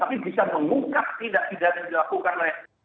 tapi bisa mengungkap tidak tidak yang dilakukan oleh